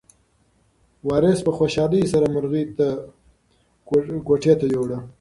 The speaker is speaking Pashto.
وارث په خوشحالۍ سره مرغۍ کوټې ته یووړه.